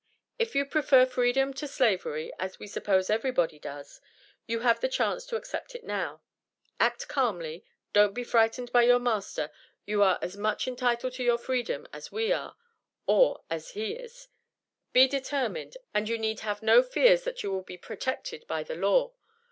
If you prefer freedom to slavery, as we suppose everybody does, you have the chance to accept it now. Act calmly don't be frightened by your master you are as much entitled to your freedom as we are, or as he is be determined and you need have no fears but that you will be protected by the law.